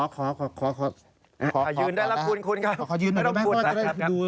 ขอยืนหน่อย